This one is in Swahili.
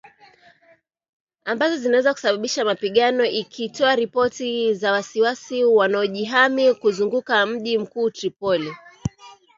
ambazo zinaweza kusababisha mapigano ikitoa ripoti za waasi wanaojihami kuzunguka mji mkuu Tripoli